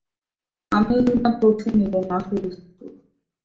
আমি- ই উনার প্রথম এবং আসল স্ত্রী।